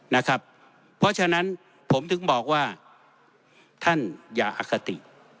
เพราะฉะนั้นผมถึงบอกว่าท่านอย่าอคติ